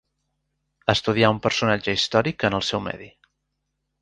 Estudiar un personatge històric en el seu medi.